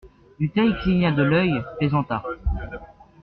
Dutheil cligna de l'œil, plaisanta.